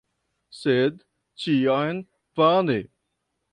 Sed ĉiam vane.